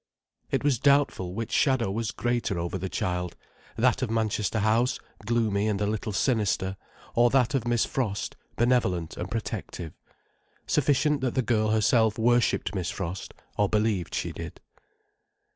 It was doubtful which shadow was greater over the child: that of Manchester House, gloomy and a little sinister, or that of Miss Frost, benevolent and protective. Sufficient that the girl herself worshipped Miss Frost: or believed she did.